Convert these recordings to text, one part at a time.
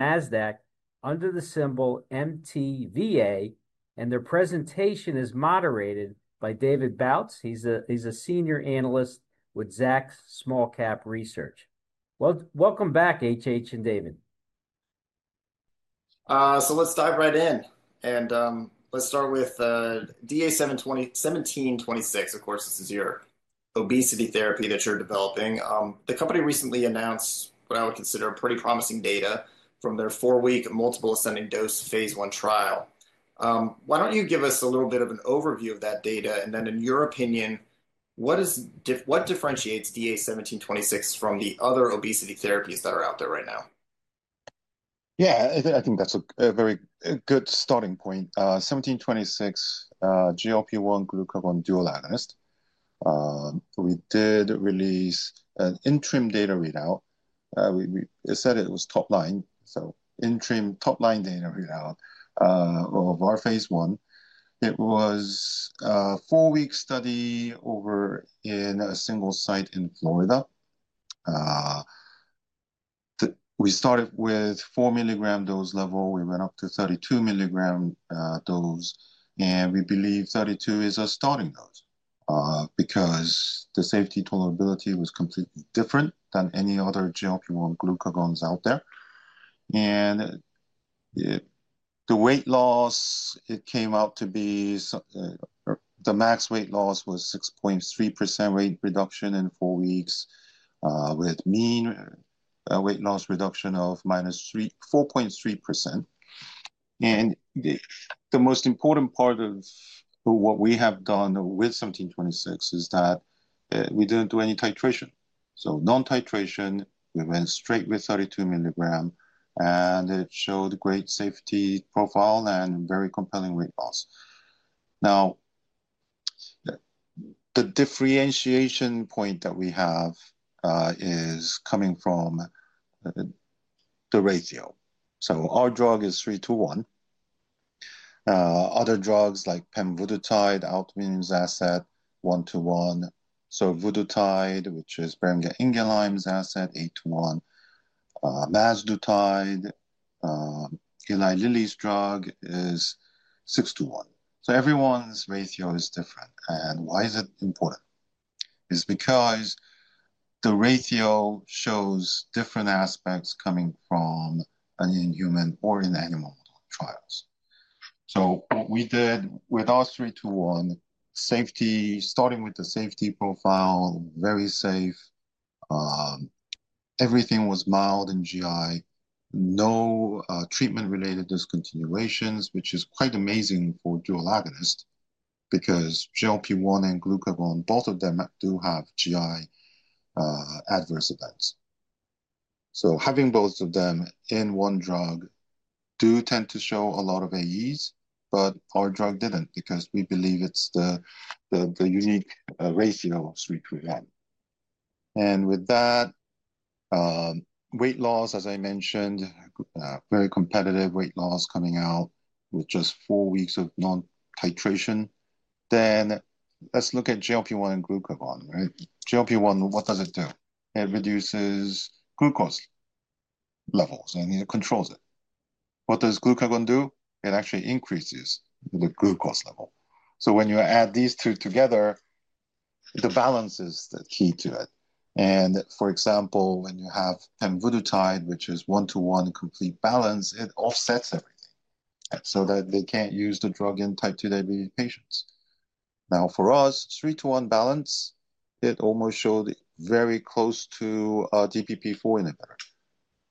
Nasdaq under the symbol MTVA, and their presentation is moderated by David Boutz. He's a senior analyst with Zacks Small Cap Research. Welcome back, HH and David. Let's dive right in, and let's start with DA-1726. Of course, this is your obesity therapy that you're developing. The company recently announced what I would consider pretty promising data from their four-week multiple ascending dose phase I trial. Why don't you give us a little bit of an overview of that data, and then, in your opinion, what differentiates DA-1726 from the other obesity therapies that are out there right now? Yeah, I think that's a very good starting point. 1726, GLP-1 glucagon dual agonist. We did release an interim data readout. We said it was top line, so interim top line data readout of our phase I. It was a four-week study over in a single site in Florida. We started with a 4 mg dose level. We went up to a 32 mg dose, and we believe 32 is a starting dose because the safety tolerability was completely different than any other GLP-1 glucagons out there. The weight loss, it came out to be the max weight loss was 6.3% weight reduction in four weeks, with mean weight loss reduction of minus 4.3%. The most important part of what we have done with 1726 is that we didn't do any titration. Non-titration, we went straight with 32 mg, and it showed a great safety profile and very compelling weight loss. Now, the differentiation point that we have is coming from the ratio. Our drug is 3:1. Other drugs like pemvidutide, 1:1. Survodutide, which is Germinaline acid, 8:1. Mazdutide, in Lilly's drug, is 6:1. Everyone's ratio is different. Why is it important? It's because the ratio shows different aspects coming from in-human or in-animal trials. What we did with our 3:1, starting with the safety profile, very safe. Everything was mild in GI, no treatment-related discontinuations, which is quite amazing for dual agonists because GLP-1 and glucagon, both of them do have GI adverse events. Having both of them in one drug do tend to show a lot of AEs, but our drug did not because we believe it is the unique ratio of 3:1. With that, weight loss, as I mentioned, very competitive weight loss coming out with just four weeks of non-titration. Let's look at GLP-1 and glucagon, right? GLP-1, what does it do? It reduces glucose levels, and it controls it. What does glucagon do? It actually increases the glucose level. When you add these two together, the balance is the key to it. For example, when you have pemvidutide, which is 1:1 complete balance, it offsets everything so that they cannot use the drug in type 2 diabetes patients. Now, for us, 3:1 balance, it almost showed very close to DPP-4 inhibitor,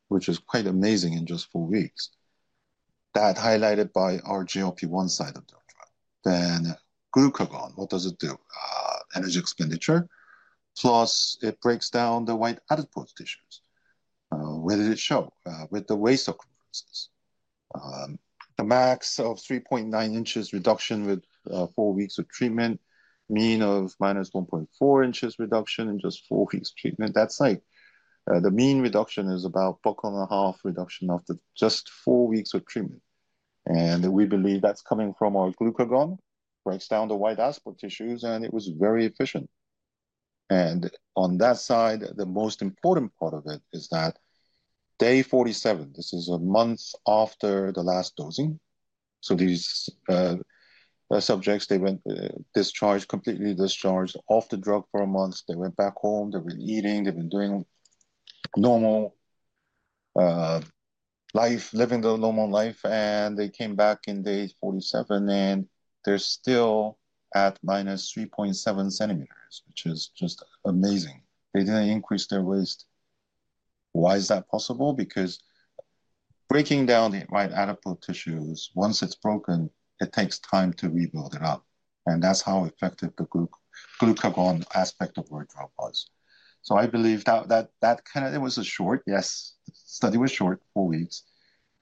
which is quite amazing in just four weeks. That highlighted by our GLP-1 side of the drug. Then glucagon, what does it do? Energy expenditure, plus it breaks down the white adipose tissues. What did it show with the waist circumferences? The max of 3.9 inches reduction with four weeks of treatment, mean of minus 1.4 inches reduction in just four weeks of treatment. That's like the mean reduction is about a buckle and a half reduction after just four weeks of treatment. We believe that's coming from our glucagon, breaks down the white adipose tissues, and it was very efficient. On that side, the most important part of it is that day 47, this is a month after the last dosing. These subjects, they went discharged, completely discharged off the drug for a month. They went back home. They've been eating. They've been doing normal life, living their normal life. They came back in day 47, and they're still at minus 3.7 centimeters, which is just amazing. They didn't increase their waist. Why is that possible? Because breaking down the white adipose tissues, once it's broken, it takes time to rebuild it up. That's how effective the glucagon aspect of our drug was. I believe that kind of it was a short, yes, the study was short, four weeks.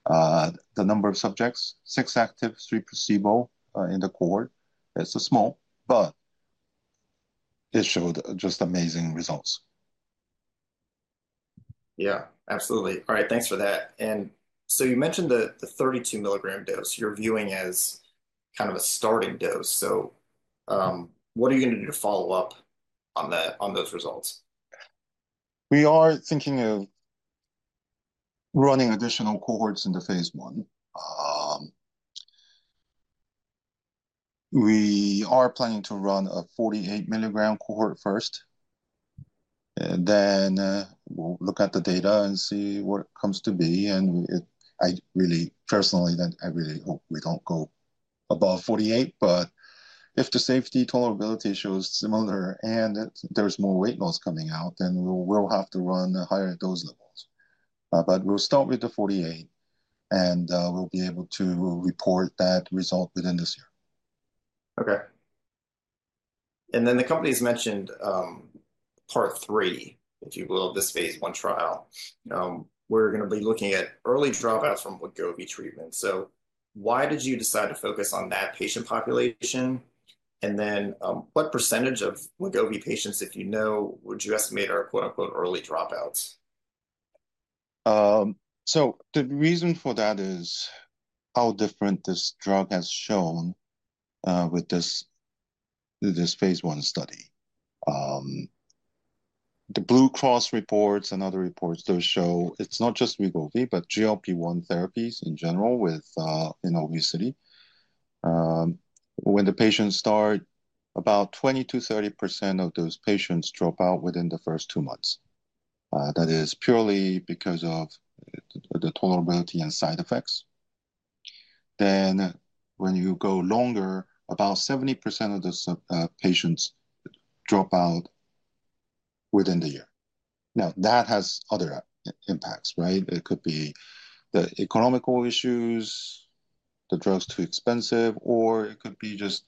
The number of subjects, six active, three placebo in the cohort. It's small, but it showed just amazing results. Yeah, absolutely. All right, thanks for that. You mentioned the 32 mg dose you're viewing as kind of a starting dose. What are you going to do to follow up on those results? We are thinking of running additional cohorts in the phase I. We are planning to run a 48 mg cohort first, and then we'll look at the data and see what comes to be. I really personally then I really hope we don't go above 48, but if the safety tolerability shows similar and there's more weight loss coming out, then we'll have to run higher dose levels. We'll start with the 48, and we'll be able to report that result within this year. Okay. The company has mentioned part three, if you will, this phase I trial. We're going to be looking at early dropouts from Wegovy treatment. Why did you decide to focus on that patient population? What percentage of Wegovy patients, if you know, would you estimate are "early dropouts"? The reason for that is how different this drug has shown with this phase I study. The Blue Cross reports and other reports do show it's not just Wegovy, but GLP-1 therapies in general with obesity. When the patients start, about 20-30% of those patients drop out within the first two months. That is purely because of the tolerability and side effects. When you go longer, about 70% of the patients drop out within the year. That has other impacts, right? It could be the economical issues, the drug's too expensive, or it could be just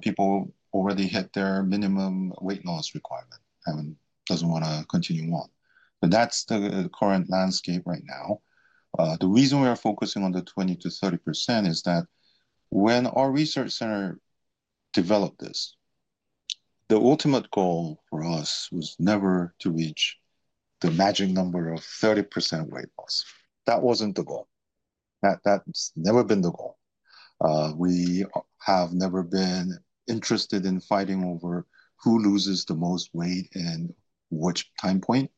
people already hit their minimum weight loss requirement and don't want to continue on. That's the current landscape right now. The reason we are focusing on the 20-30% is that when our research center developed this, the ultimate goal for us was never to reach the magic number of 30% weight loss. That wasn't the goal. That's never been the goal. We have never been interested in fighting over who loses the most weight and which time point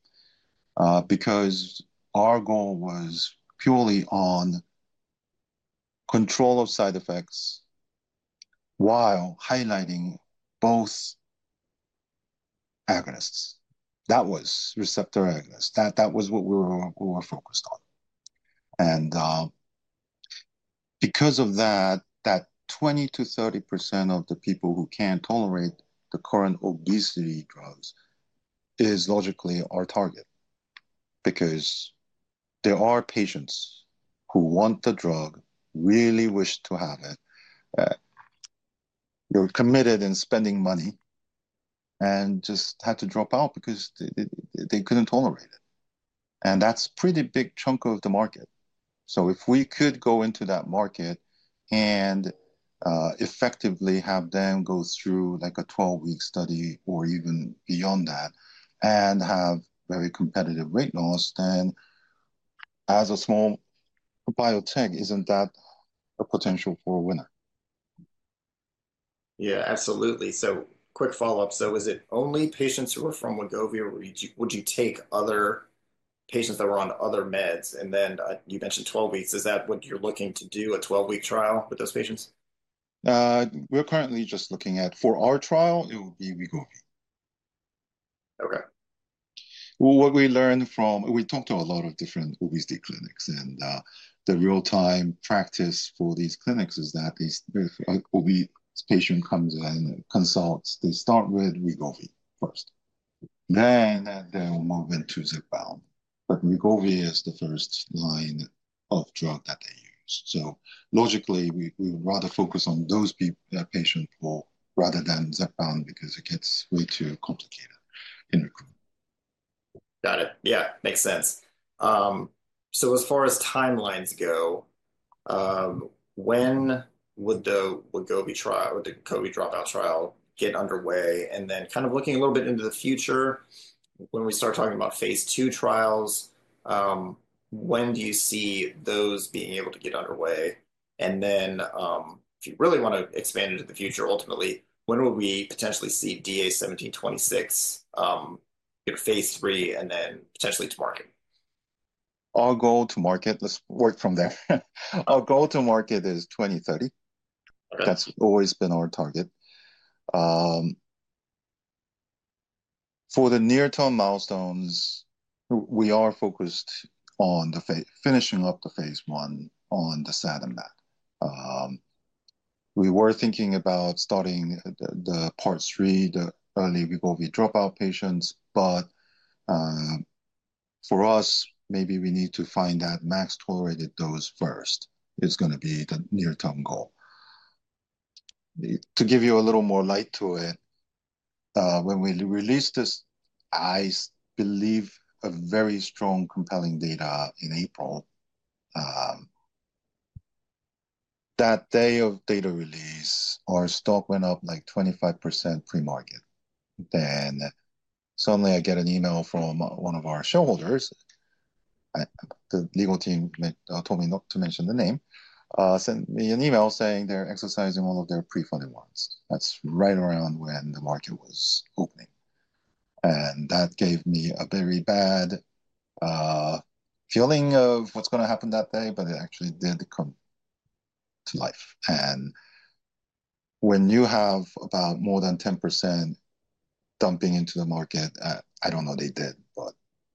because our goal was purely on control of side effects while highlighting both agonists. That was receptor agonists. That was what we were focused on. Because of that, that 20-30% of the people who can't tolerate the current obesity drugs is logically our target because there are patients who want the drug, really wish to have it, who are committed in spending money and just had to drop out because they couldn't tolerate it. That's a pretty big chunk of the market. If we could go into that market and effectively have them go through like a 12-week study or even beyond that and have very competitive weight loss, then as a small biotech, isn't that a potential for a winner? Yeah, absolutely. Quick follow-up. Is it only patients who are from Wegovy, or would you take other patients that were on other meds? You mentioned 12 weeks. Is that what you're looking to do, a 12-week trial with those patients? We're currently just looking at for our trial, it would be Wegovy. Okay. What we learned from we talked to a lot of different obesity clinics, and the real-time practice for these clinics is that obesity patients come in and consult. They start with Wegovy first. Then they'll move into Zepbound. Wegovy is the first line of drug that they use. Logically, we would rather focus on those patients rather than Zepbound because it gets way too complicated in recruitment. Got it. Yeah, makes sense. As far as timelines go, when would the Wegovy dropout trial get underway? Kind of looking a little bit into the future, when we start talking about phase II trials, when do you see those being able to get underway? If you really want to expand into the future, ultimately, when would we potentially see DA-1726, phase III, and then potentially to market? Our goal to market, let's work from there. Our goal to market is 2030. That's always been our target. For the near-term milestones, we are focused on finishing up the phase I on the SADMAT. We were thinking about starting the part three, the early Wegovy dropout patients, but for us, maybe we need to find that max tolerated dose first is going to be the near-term goal. To give you a little more light to it, when we released this, I believe, a very strong, compelling data in April. That day of data release, our stock went up like 25% pre-market. Then suddenly, I get an email from one of our shareholders. The legal team told me not to mention the name, sent me an email saying they're exercising all of their pre-funded ones. That's right around when the market was opening. That gave me a very bad feeling of what's going to happen that day, but it actually did come to life. When you have about more than 10% dumping into the market, I don't know they did, but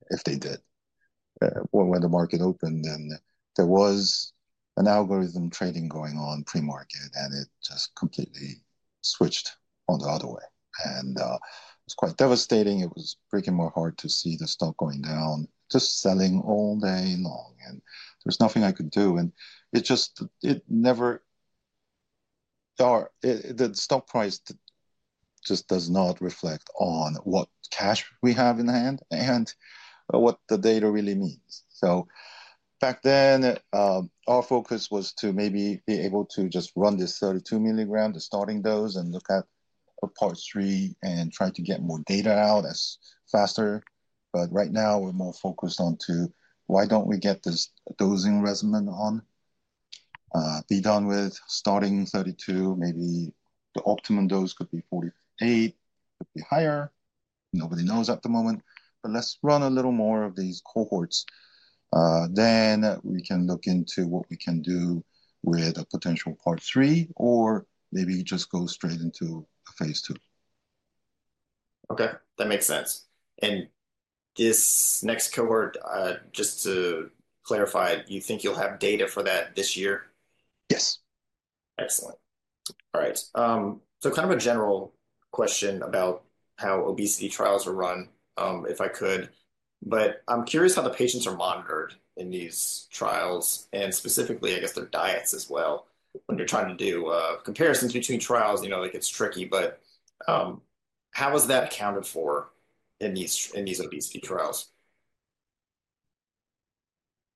if they did, or when the market opened, there was algorithm trading going on pre-market, and it just completely switched on the other way. It was quite devastating. It was freaking hard to see the stock going down, just selling all day long. There was nothing I could do. It just never, the stock price just does not reflect on what cash we have in hand and what the data really means. Back then, our focus was to maybe be able to just run this 32 mg, the starting dose, and look at part three and try to get more data out as faster. Right now, we're more focused on why don't we get this dosing regimen on, be done with starting 32, maybe the optimum dose could be 48, could be higher. Nobody knows at the moment, but let's run a little more of these cohorts. Then we can look into what we can do with a potential part three or maybe just go straight into phase II. Okay. That makes sense. And this next cohort, just to clarify, you think you'll have data for that this year? Yes. Excellent. All right. So kind of a general question about how obesity trials are run, if I could, but I'm curious how the patients are monitored in these trials and specifically, I guess, their diets as well. When you're trying to do comparisons between trials, it gets tricky, but how is that accounted for in these obesity trials?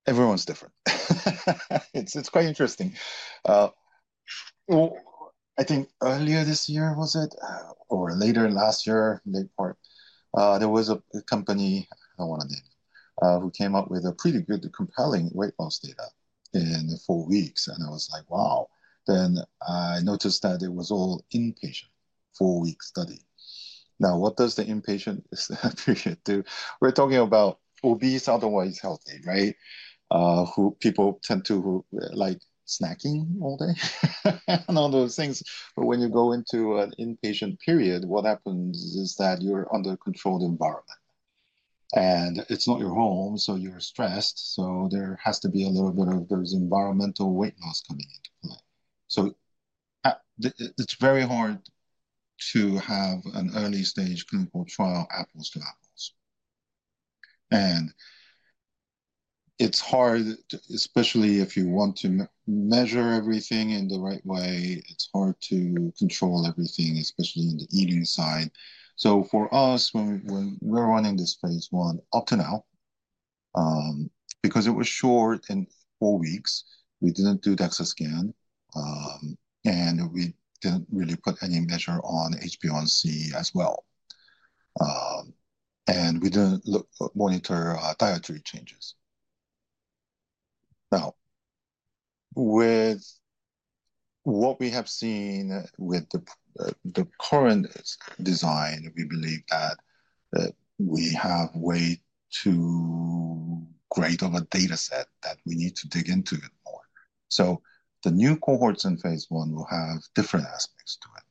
Everyone's different. It's quite interesting. I think earlier this year, was it, or later last year, late part, there was a company, I don't want to name, who came up with a pretty good, compelling weight loss data in four weeks. I was like, wow. I noticed that it was all inpatient four-week study. Now, what does the inpatient period do? We're talking about obese, otherwise healthy, right? People tend to like snacking all day and all those things. When you go into an inpatient period, what happens is that you're under a controlled environment. It's not your home, so you're stressed. There has to be a little bit of those environmental weight loss coming into play. It's very hard to have an early-stage clinical trial apples to apples. It's hard, especially if you want to measure everything in the right way. It's hard to control everything, especially on the eating side. For us, when we're running this phase I up to now, because it was short in four weeks, we didn't do DEXA scan, and we didn't really put any measure on HbA1c as well. We didn't monitor dietary changes. Now, with what we have seen with the current design, we believe that we have way too great of a data set that we need to dig into it more. The new cohorts in phase I will have different aspects to it.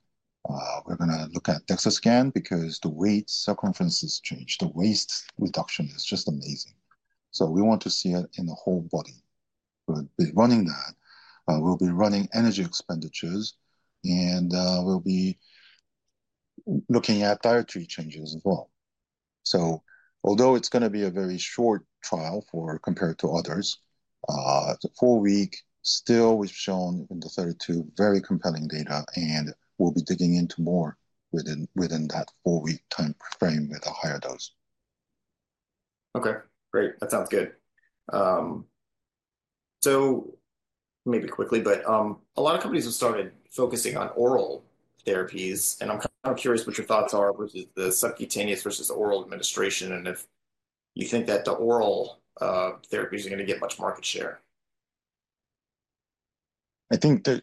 We're going to look at DEXA scan because the waist circumference has changed. The waist reduction is just amazing. We want to see it in the whole body. We'll be running that. We'll be running energy expenditures, and we'll be looking at dietary changes as well. Although it's going to be a very short trial compared to others, four-week, still we've shown in the 32 very compelling data, and we'll be digging into more within that four-week time frame with a higher dose. Okay. Great. That sounds good. Maybe quickly, but a lot of companies have started focusing on oral therapies, and I'm kind of curious what your thoughts are with the subcutaneous versus oral administration and if you think that the oral therapies are going to get much market share. I think the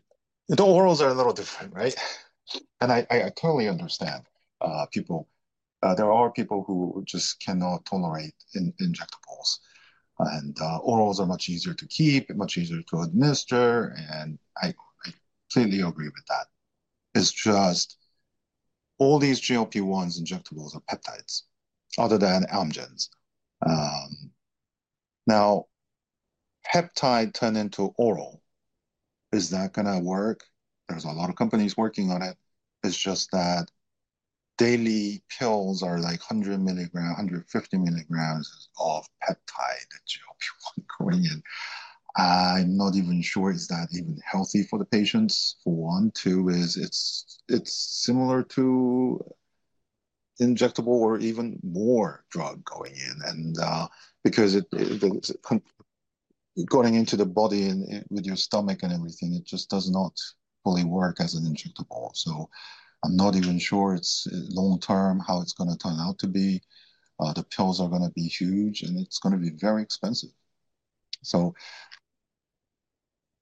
orals are a little different, right? I totally understand people. There are people who just cannot tolerate injectables. Orals are much easier to keep, much easier to administer, and I completely agree with that. It's just all these GLP-1 injectables are peptides other than Amgen's. Now, peptide turned into oral, is that going to work? There are a lot of companies working on it. It's just that daily pills are like 100 mg, 150 mg of peptide in GLP-1 going in. I'm not even sure is that even healthy for the patients. For one, two, it's similar to injectable or even more drug going in. Because it's going into the body with your stomach and everything, it just does not fully work as an injectable. I'm not even sure long-term how it's going to turn out to be. The pills are going to be huge, and it's going to be very expensive.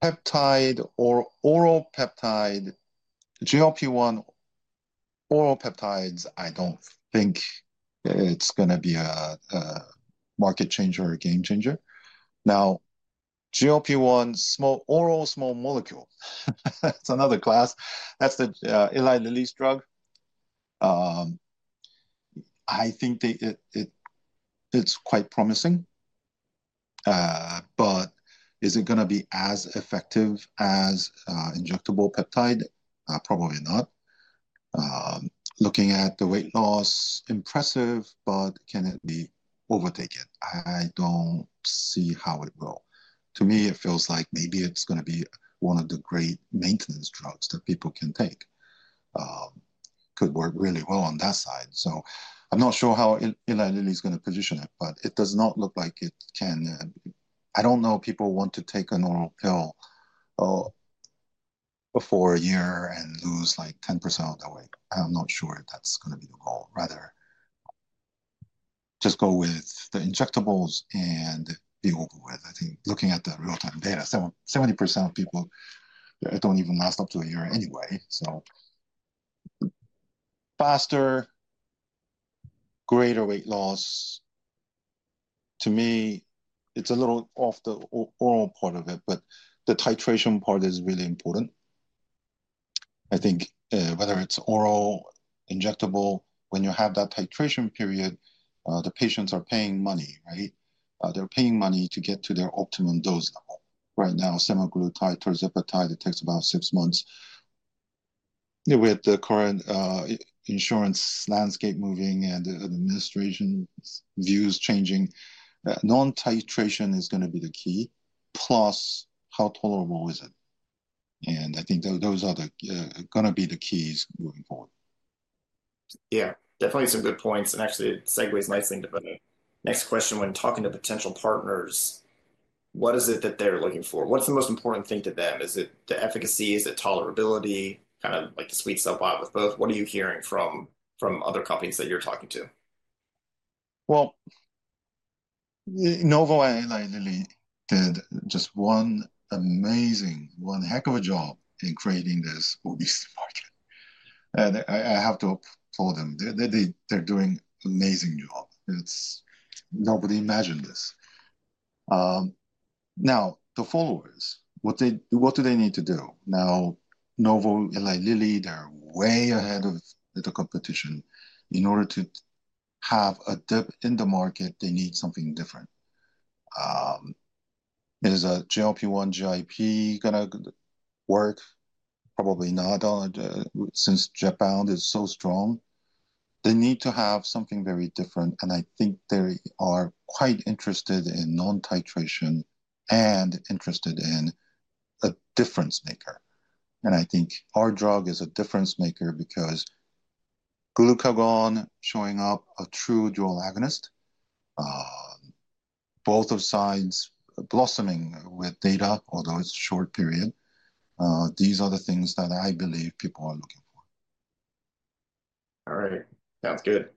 Peptide or oral peptide, GLP-1 oral peptides, I don't think it's going to be a market changer or a game changer. Now, GLP-1 oral small molecule, that's another class. That's the Eli Lilly's drug. I think it's quite promising. Is it going to be as effective as injectable peptide? Probably not. Looking at the weight loss, impressive, but can it be overtaken? I don't see how it will. To me, it feels like maybe it's going to be one of the great maintenance drugs that people can take. Could work really well on that side. I'm not sure how Eli Lilly is going to position it, but it does not look like it can. I don't know if people want to take an oral pill for a year and lose like 10% of their weight. I'm not sure if that's going to be the goal. Rather, just go with the injectables and be over with. I think looking at the real-time data, 70% of people don't even last up to a year anyway. Faster, greater weight loss. To me, it's a little off the oral part of it, but the titration part is really important. I think whether it's oral, injectable, when you have that titration period, the patients are paying money, right? They're paying money to get to their optimum dose level. Right now, semaglutide towards Zepbound, it takes about six months. With the current insurance landscape moving and administration views changing, non-titration is going to be the key. Plus, how tolerable is it? I think those are going to be the keys moving forward. Yeah. Definitely some good points. It segues nicely into the next question. When talking to potential partners, what is it that they're looking for? What's the most important thing to them? Is it the efficacy? Is it tolerability? Kind of like to sweet spot operate with both. What are you hearing from other companies that you're talking to? Novo Nordisk and Eli Lilly did just one amazing, one heck of a job in creating this obesity market. I have to applaud them. They're doing an amazing job. Nobody imagined this. Now, the followers, what do they need to do? Novo Nordisk, Eli Lilly, they're way ahead of the competition. In order to have a dip in the market, they need something different. Is a GLP-1, GIP going to work? Probably not since Zepbound is so strong. They need to have something very different. I think they are quite interested in non-titration and interested in a difference maker. I think our drug is a difference maker because glucagon showing up a true dual agonist. Both of sides blossoming with data, although it's a short period. These are the things that I believe people are looking for. All right. Sounds good.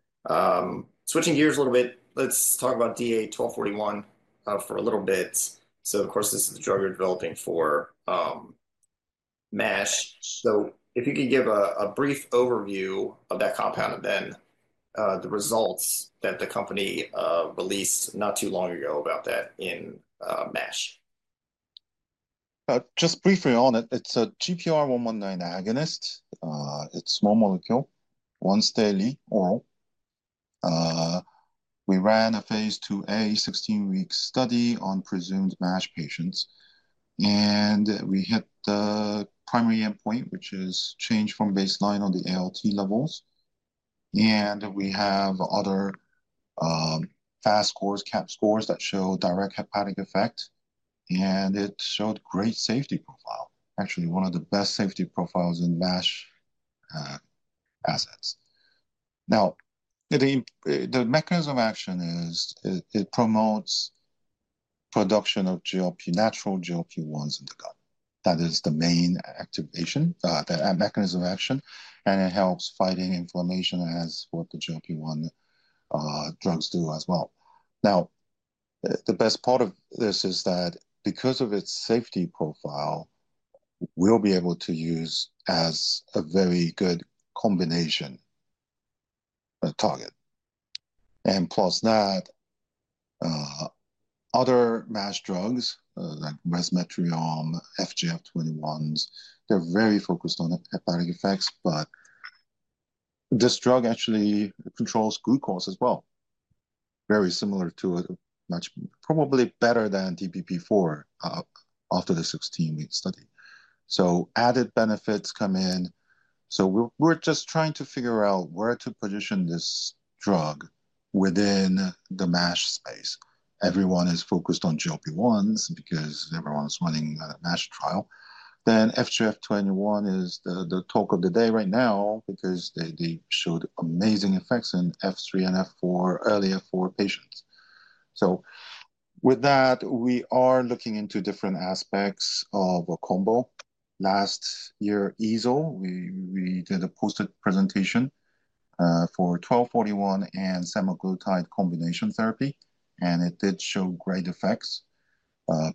Switching gears a little bit, let's talk about DA-1241 for a little bit. Of course, this is the drug you're developing for MASH. If you can give a brief overview of that compound and then the results that the company released not too long ago about that in MASH. Just briefly on it, it's a GPR119 agonist. It's a small molecule, once daily, oral. We ran a phase II-A 16-week study on presumed MASH patients. We hit the primary endpoint, which is change from baseline on the ALT levels. We have other FAST scores, CAP scores that show direct hepatic effect. It showed great safety profile, actually one of the best safety profiles in MASH assets. Now, the mechanism of action is it promotes production of natural GLP-1s in the gut. That is the main activation, the mechanism of action. It helps fighting inflammation as what the GLP-1 drugs do as well. Now, the best part of this is that because of its safety profile, we'll be able to use as a very good combination target. Plus that, other MASH drugs like resmetirom, FGF21s, they're very focused on hepatic effects, but this drug actually controls glucose as well. Very similar to it, probably better than DPP-4 after the 16-week study. Added benefits come in. We're just trying to figure out where to position this drug within the MASH space. Everyone is focused on GLP-1s because everyone's running a MASH trial. FGF21 is the talk of the day right now because they showed amazing effects in F3 and F4, early F4 patients. With that, we are looking into different aspects of a combo. Last year, at EASL, we did a poster presentation for DA-1241 and semaglutide combination therapy. It did show great effects,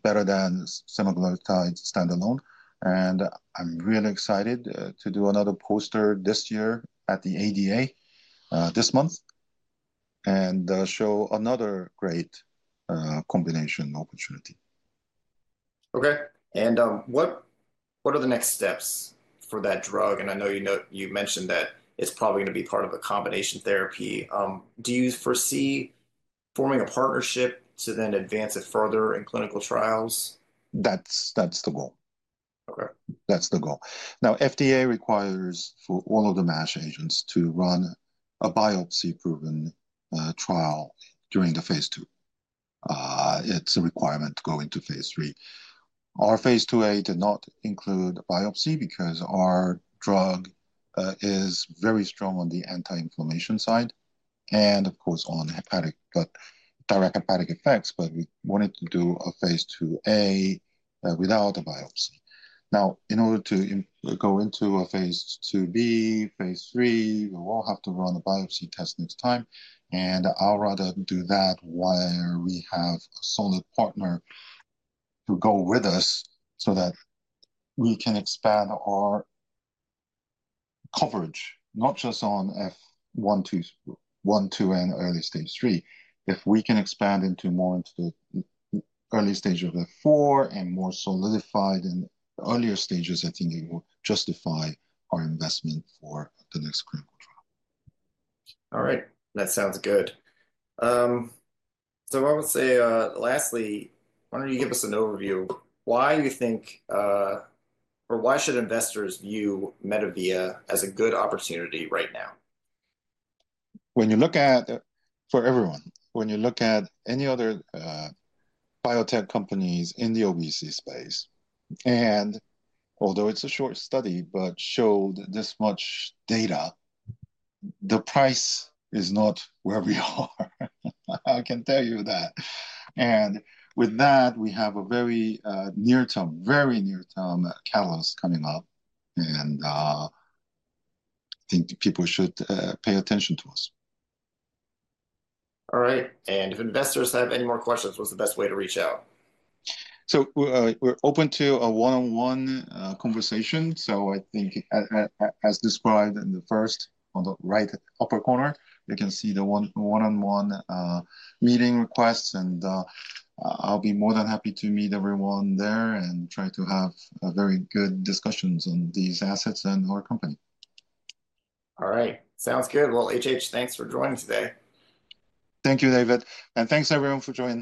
better than semaglutide standalone. I'm really excited to do another poster this year at the ADA this month and show another great combination opportunity. Okay. What are the next steps for that drug? I know you mentioned that it's probably going to be part of a combination therapy. Do you foresee forming a partnership to then advance it further in clinical trials? That's the goal. That's the goal. Now, FDA requires for all of the MASH agents to run a biopsy-proven trial during the phase II. It's a requirement to go into phase II. Our phase II-A did not include a biopsy because our drug is very strong on the anti-inflammation side and, of course, on direct hepatic effects, but we wanted to do a phase II-A without a biopsy. Now, in order to go into a phase II-B, phase II, we will have to run a biopsy test next time. I'd rather do that while we have a solid partner to go with us so that we can expand our coverage, not just on F1, 2, and early stage 3. If we can expand more into the early stage of F4 and more solidified in earlier stages, I think it will justify our investment for the next clinical trial. All right. That sounds good. I would say lastly, why do not you give us an overview of why you think or why should investors view MetaVia as a good opportunity right now? When you look at, for everyone, when you look at any other biotech companies in the obesity space, and although it's a short study, but showed this much data, the price is not where we are. I can tell you that. We have a very near-term, very near-term catalyst coming up. I think people should pay attention to us. All right. If investors have any more questions, what's the best way to reach out? We're open to a one-on-one conversation. I think, as described in the first, on the right upper corner, you can see the one-on-one meeting requests. I'll be more than happy to meet everyone there and try to have very good discussions on these assets and our company. All right. Sounds good. HH, thanks for joining today. Thank you, David. Thank you everyone for joining.